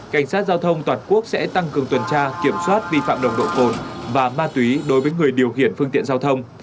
cảnh sát giao thông toàn quốc sẽ tăng cường tuần tra kiểm soát vi phạm nồng độ cồn và ma túy đối với người điều khiển phương tiện giao thông